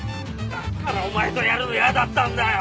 だからお前とやるの嫌だったんだよ！